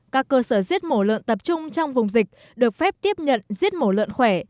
các cơ sở giết mổ lợn tập trung trong vùng dịch được phép tiếp nhận giết mổ lợn khỏe